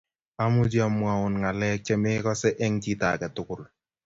Amuchi amwoun ngaleek chemekosee eng chito ake tukul